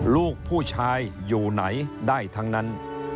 ลูกผู้ชายอยู่ไหนได้ทั้งนั้น